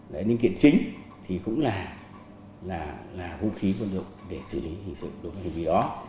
linh kiện chính thì cũng là vũ khí vận dụng để xử lý hành sự đối với hành vi đó